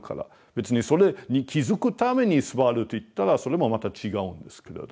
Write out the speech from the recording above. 別にそれに気付くために座るといったらそれもまた違うんですけれども。